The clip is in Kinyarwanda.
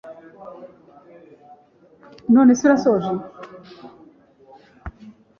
yambwiye ko ukunda kurya ibiryo birimo ibirungo.